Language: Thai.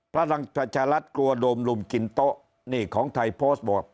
พลังประชารัฐกลัวโดมลุมกินโต๊ะนี่ของไทยโพสต์บอก